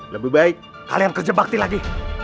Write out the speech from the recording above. lebih baik kalian kerja bakti lagi